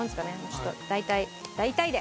ちょっと大体大体で。